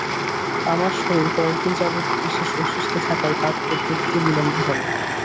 আমার শরীর কয়েকদিন যাবৎ বিশেষ অসুস্থ থাকায় পত্র দিতে বিলম্ব হল।